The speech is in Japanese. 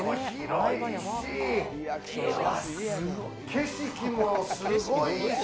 景色もすごいいいし。